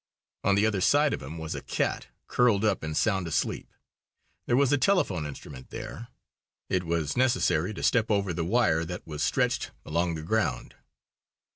On the other side of him was a cat, curled up and sound asleep. There was a telephone instrument there. It was necessary to step over the wire that was stretched along the ground.